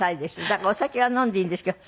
だからお酒は飲んでいいんですけど。